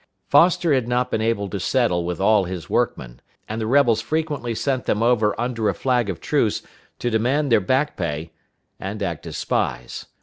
Foster had not been able to settle with all his workmen, and the rebels frequently sent them over under a flag of truce to demand their back pay and act as spies.